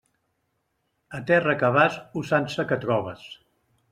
A terra que vas, usança que trobes.